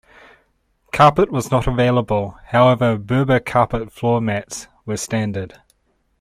Carpet was not available, however berber carpet floor mats were standard.